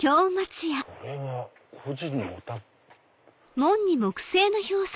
これは個人のお宅。